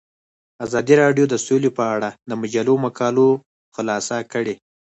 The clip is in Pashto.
ازادي راډیو د سوله په اړه د مجلو مقالو خلاصه کړې.